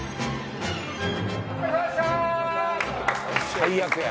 ・最悪や。